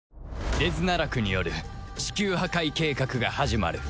デズナラクによるチキュー破壊計画が始まる